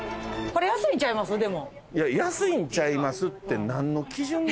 いや安いんちゃいますって。